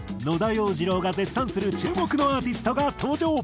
野田洋次郎が絶賛する注目のアーティストが登場。